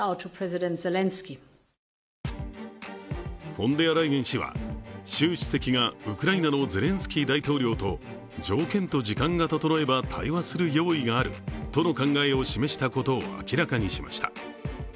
フォンデアライエン氏は習主席がウクライナのゼレンスキー大統領と条件と時間が整えば対話する用意があるとの考えを示したことを明らかにしました。